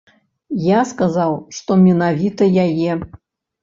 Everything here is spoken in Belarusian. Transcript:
Я сказаў, што менавіта яе.